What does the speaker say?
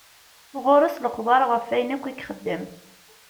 Ɣur-s lexbar ɣef wayen akk i ixeddem.